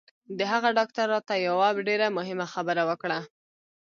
د هغه ډاکتر راته یوه ډېره مهمه خبره وکړه